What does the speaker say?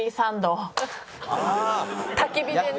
焚き火でね。